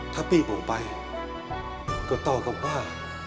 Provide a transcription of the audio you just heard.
ถ้าพี่บอกไปก็ต้องกับว่า